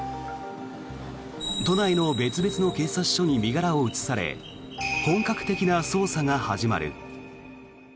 都内の別々の警察署に身柄を移され本格的な捜査が始まる。